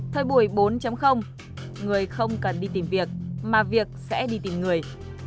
thời buổi bốn người không cần đi tìm việc mà việc sẽ đi tìm người